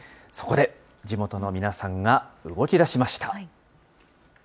そこで地元の皆さんが動きだしました。